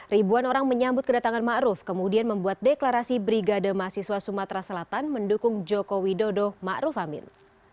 ribuan orang menyambut kedatangan ma'ruf kemudian membuat deklarasi brigade mahasiswa sumatera selatan mendukung jokowi dodo ma'ruf amin